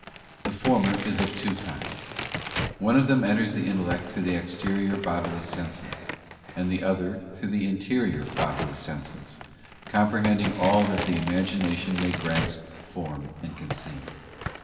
The former is of two kinds: one of them enters the intellect through the exterior bodily senses; and the other through the interior bodily senses, comprehending all that the imagination may grasp, form, and conceive.